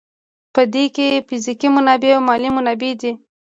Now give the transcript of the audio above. په دې کې فزیکي منابع او مالي منابع دي.